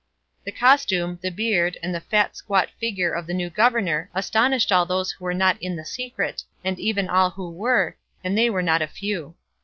The costume, the beard, and the fat squat figure of the new governor astonished all those who were not in on the secret, and even all who were, and they were not a few.